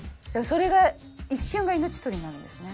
それが一瞬が命取りになるんですね